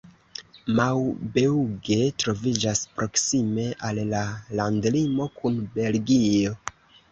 Maubeuge troviĝas proksime al la landlimo kun Belgio.